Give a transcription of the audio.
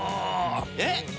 えっ⁉